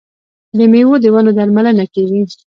د میوو د ونو درملنه کیږي.